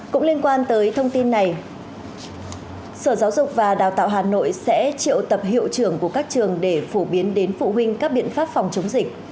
cũng liên quan tới thông tin này sở giáo dục và đào tạo hà nội sẽ triệu tập hiệu trưởng của các trường để phổ biến đến phụ huynh các biện pháp phòng chống dịch